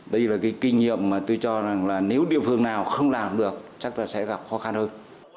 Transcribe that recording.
đây là cái kinh nghiệm mà tôi cho rằng là nếu địa phương nào không làm được chắc là sẽ gặp khó khăn hơn